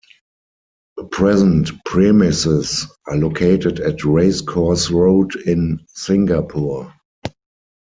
The present premises are located at Race Course Road in Singapore.